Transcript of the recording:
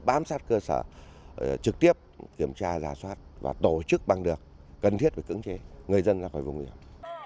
bám sát cơ sở trực tiếp kiểm tra giả soát và tổ chức bằng được cần thiết phải cứng chế người dân ra khỏi vùng biển